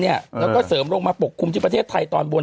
แล้วก็เสริมลงมาปกคลุมที่ประเทศไทยตอนบน